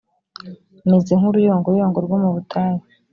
meze nk uruyongoyongo rwo mu butayu